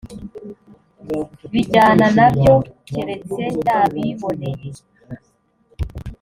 bijyana na byo keretse yabiboneye